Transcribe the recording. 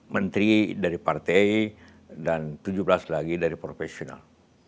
lima belas tujuh belas menteri dari partai dan tujuh belas lagi dari profesional